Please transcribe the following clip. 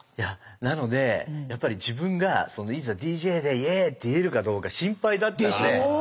なのでやっぱり自分がいざＤＪで「イェー」って言えるかどうか心配だったんで。でしょ？